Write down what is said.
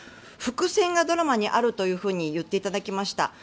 伏線がドラマにあるというふうに言っていただきました。